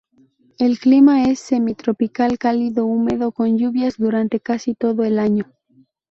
El clima es semitropical, cálido húmedo con lluvias durante casi todo el año.